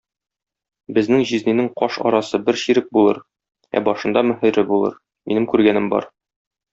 Безнең җизнинең каш арасы бер чирек булыр, ә башында мөһере булыр, минем күргәнем бар.